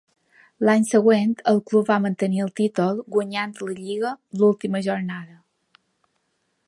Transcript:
L'any següent, el club va mantenir el títol, guanyant la lliga l'última jornada.